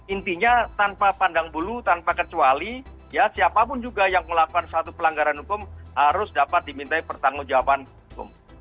intinya tanpa pandang bulu tanpa kecuali ya siapapun juga yang melakukan satu pelanggaran hukum harus dapat dimintai pertanggung jawaban hukum